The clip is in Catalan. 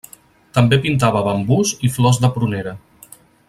També pintava bambús i flors de prunera.